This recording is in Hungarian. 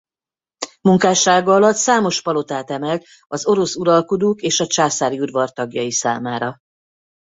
Munkássága alatt számos palotát emelt az orosz uralkodók és a császári udvar tagjai számára.